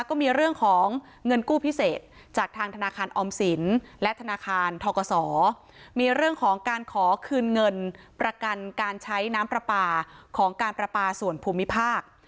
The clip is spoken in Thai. ก็มีเรื่องของเงินกู้พิเศษจากทางธนาคารออมสินและธนาคารทกศมีเรื่องของการขอคืนเงินประกันการใช้น้ำปลาปลาของการประปาส่วนภูมิภาค